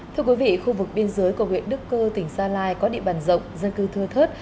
thưa quý vị khu vực biên giới của huyện đức cơ tỉnh sa lai có địa bàn rộng dân cư thưa thớt